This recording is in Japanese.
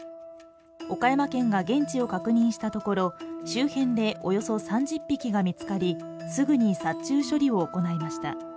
岡山県が現地を確認したところ周辺でおよそ３０匹が見つかり、すぐに殺虫処理を行いました。